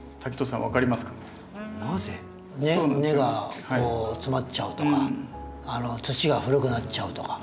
なぜ？根がこう詰まっちゃうとか土が古くなっちゃうとか。